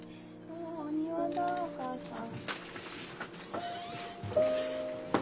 お庭だお母さん。